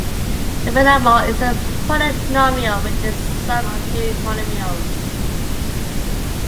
A binomial is a polynomial which is the sum of two monomials.